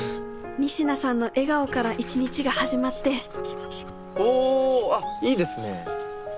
仁科さんの笑顔から一日が始まっておあっいいですね。